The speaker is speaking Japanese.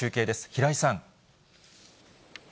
平井さん。